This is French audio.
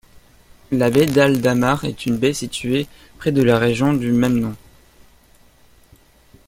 La baie d'Eldamar est une baie située près de la région du même nom.